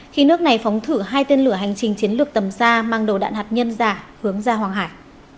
khi nước này phóng thử hai tên lửa hành trình chiến lược tầm xa mang đầu đạn hạt nhân giả hướng ra hoàng hải